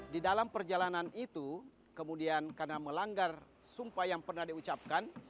di dalam perjalanan itu kemudian karena melanggar sumpah yang pernah diucapkan